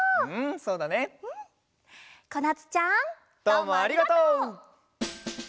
どうもありがとう！